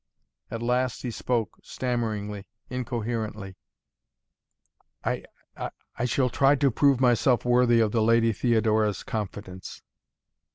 At last he spoke, stammeringly, incoherently: "I shall try to prove myself worthy of the Lady Theodora's confidence."